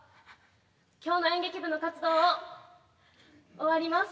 今日の演劇部の活動を終わります。